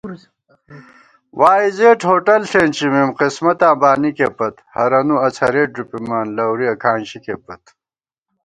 وائی زېڈ ووٹل ݪېنچِمېم، قسمتاں بانِکےپت * ہرَنُو اڅَھرېت ݫُپِمان لَورُیَہ کھانشِکےپت